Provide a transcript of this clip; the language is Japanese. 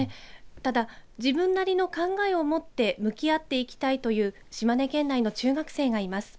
ただ自分なりの考えを持って向き合っていきたいという島根県内の中学生がいます。